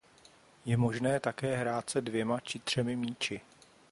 Je možné také hrát se dvěma či třemi míči.